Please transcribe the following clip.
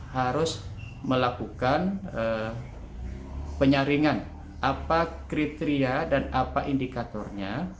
harus melakukan penyaringan apa kriteria dan apa indikatornya